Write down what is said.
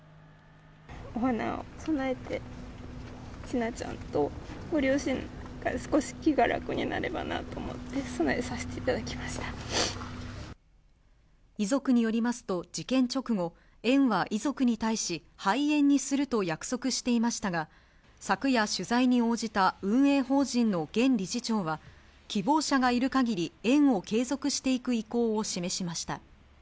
お花を供えて、千奈ちゃんとご両親が少し気が楽になればなと思って、供えさせて遺族によりますと、事件直後、園は遺族に対し、廃園にすると約束していましたが、昨夜取材に応じた運営法人の現理事長は、希望者がいるかぎり、園を継続していく意向を示しました。